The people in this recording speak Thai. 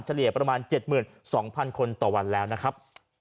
ประมาณ๗๒๐๐คนต่อวันแล้วนะครับ